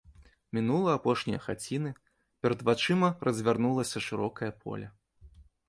Мінула апошнія хаціны, перад вачыма развярнулася шырокае поле.